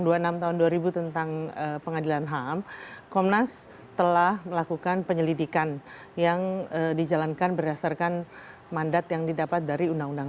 undang undang dua puluh enam tahun dua ribu tentang pengadilan ham komnas telah melakukan penyelidikan yang dijalankan berdasarkan mandat yang didapat dari undang undang dua puluh enam